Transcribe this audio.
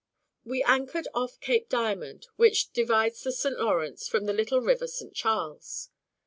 We anchored off Cape Diamond, which divides the St Lawrence from the little river St Charles.